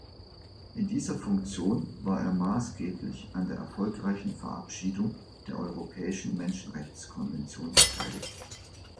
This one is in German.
In dieser Funktion war er maßgeblich an der erfolgreichen Verabschiedung der Europäischen Menschenrechtskonvention beteiligt.